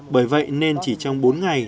bởi vậy nên chỉ trong bốn ngày